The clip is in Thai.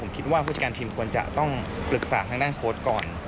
ผมคิดว่าผู้จัดการทีมควรจะต้องปรึกษาทางด้านโค้ดก่อน